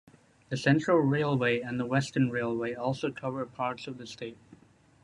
The Central Railway and the Western Railway also cover parts of the state.